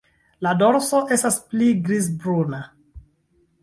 La dorso estas pli grizbruna.